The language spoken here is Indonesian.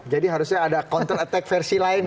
jadi harusnya ada counter attack versi lain gitu ya